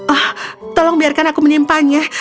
oh tolong biarkan aku menyimpannya